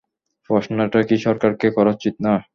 প্রশ্নটা কি সরকারকে করা উচিত না?